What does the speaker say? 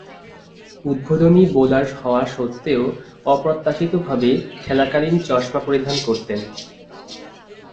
উদ্বোধনী বোলার হওয়া সত্ত্বেও অপ্রত্যাশিতভাবে খেলাকালীন চশমা পরিধান করতেন।